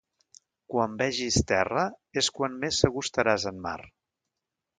Quan vegis terra és quan més segur estaràs en mar.